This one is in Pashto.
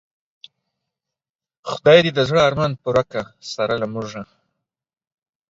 خدای دی د زړه ارمان پوره که سره له مونږه